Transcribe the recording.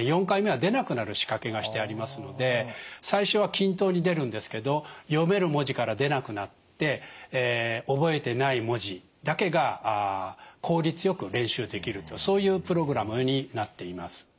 ４回目は出なくなる仕掛けがしてありますので最初は均等に出るんですけど読める文字から出なくなって覚えてない文字だけが効率よく練習できるそういうプログラムになっています。